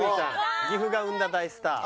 岐阜が生んだ大スター。